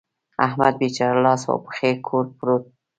احمد بېچاره لاس و پښې کور پروت دی.